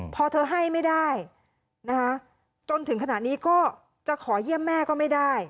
พอเธอให้ไม่ได้นะคะจนถึงขณะนี้ก็จะขอเยี่ยมแม่ก็ไม่ได้